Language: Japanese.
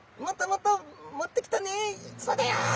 「そうだよ！」